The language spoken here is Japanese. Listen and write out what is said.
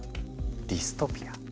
ディストピア？